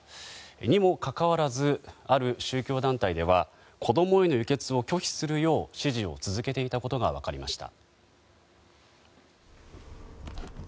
にもかかわらずある宗教団体では子供への輸血を拒否するよう指示を続けていたことが分かりました。